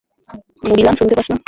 মুগিলান, শুনতে পাস না?